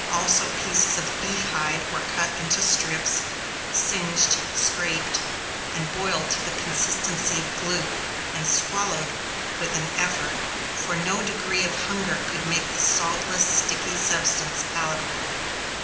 Also pieces of beef hide were cut into strips, singed, scraped, boiled to the consistency of glue, and swallowed with an effort; for no degree of hunger could make the saltless, sticky substance palatable.